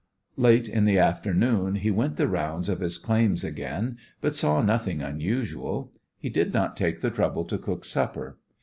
Late in the afternoon he went the rounds of his claims again, but saw nothing unusual. He did not take the trouble to cook supper.